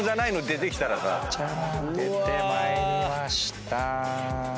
出てまいりました」